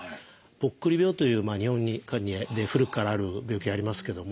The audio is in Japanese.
「ぽっくり病」という日本にかなり古くからある病気がありますけども。